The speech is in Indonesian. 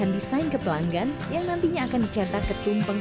waktu saya ngelepas dia ke bandung